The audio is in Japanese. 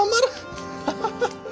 ハハハッ！